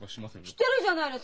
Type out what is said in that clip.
してるじゃないの！